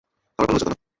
খাবার ভালো হয়েছে, তাই না?